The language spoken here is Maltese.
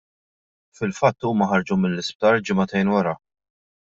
Fil-fatt huma ħarġu mill-isptar ġimagħtejn wara.